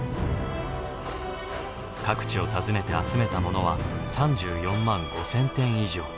各地を訪ねて集めたものは３４万５，０００点以上。